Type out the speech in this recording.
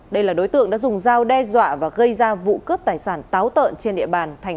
đây là đối tượng đã dùng dao đe dọa và gây ra vụ cướp tài sản táo tợn trên địa bàn